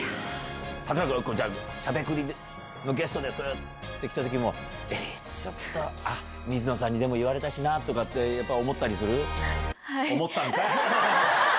いや、しゃべくりのゲストですってきたときも、えっ、ちょっと、あっ、水野さんにでも言われたしなとかって、やっぱり思ったりする？